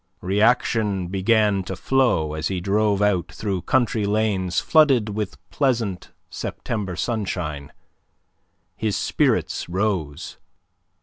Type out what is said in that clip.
Reaction began to flow, as he drove out through country lanes flooded with pleasant September sunshine. His spirits rose.